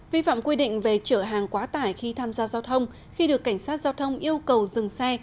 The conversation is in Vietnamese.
vi phạm quy định về chở hàng quá tải khi tham gia giao thông khi được cảnh sát giao thông yêu cầu dừng xe